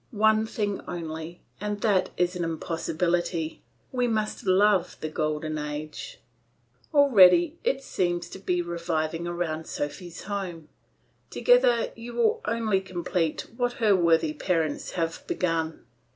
One thing only, and that is an impossibility; we must love the golden age. "Already it seems to be reviving around Sophy's home; together you will only complete what her worthy parents have begun.